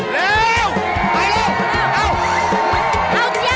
เร็วหน่อย